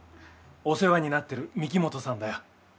お世話になってる御木本さんだよ